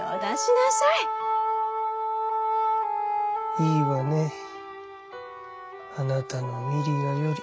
「いいわねあなたのミリアより」。